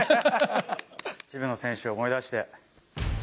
渋野選手を思い出して。